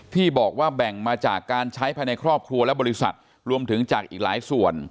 ที่บอกว่าแบ่งมาจากการใช้ภายในครอบครัวและบริษัทรวมถึงจากอีกหลายส่วน